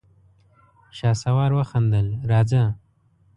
شهسوار وخندل: راځه!